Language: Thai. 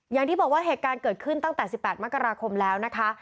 อย่างที่บอกว่าเหตุการณ์เกิดขึ้นตั้งแต่๑๘มกราคมแล้วนะคะ